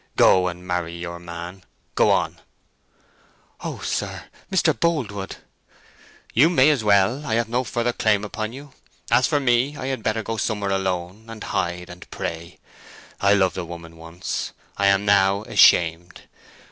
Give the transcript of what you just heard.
Go and marry your man—go on!" "Oh sir—Mr. Boldwood!" "You may as well. I have no further claim upon you. As for me, I had better go somewhere alone, and hide—and pray. I loved a woman once. I am now ashamed.